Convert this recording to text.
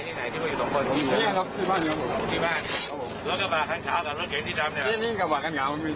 แล้วกระบะข้างขาวของรถเก๋งสีดำเนี่ยนี่กระบะข้างขาวมันมี